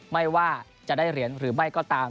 ไม่ว่าจะได้เหรียญหรือไม่ก็ตาม